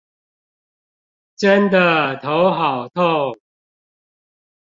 真的頭好痛